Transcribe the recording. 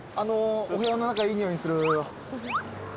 お部屋の中いい匂いする何か。